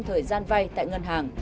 thời gian vay tại ngân hàng